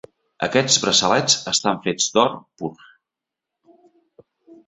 Aquests braçalets estan fets d'or pur.